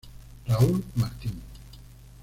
Raúl Martín.